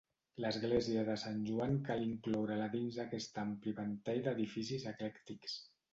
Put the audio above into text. L'església de Sant Joan cal incloure-la dins aquest ampli ventall d'edificis eclèctics.